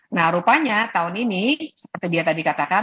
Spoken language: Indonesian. nah rupanya tahun ini seperti dia tadi katakan